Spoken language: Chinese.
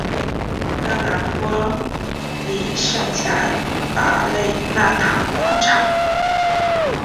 大拿坡里圣加大肋纳堂广场。